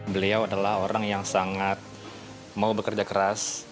beliau adalah orang yang sangat mau bekerja keras